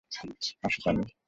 আসো, তানি।